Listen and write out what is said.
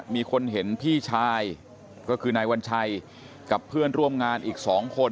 มีคนเห็นพี่ชายก็คือนายวัญชัยกับเพื่อนร่วมงานอีก๒คน